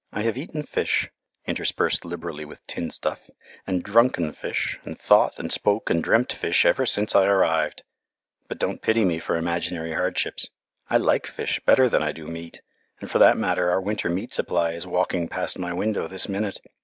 I have eaten fish (interspersed liberally with tinned stuff) and drunken fish and thought and spoken and dreamt fish ever since I arrived. But don't pity me for imaginary hardships. I like fish better than I do meat, and for that matter our winter meat supply is walking past my window this minute.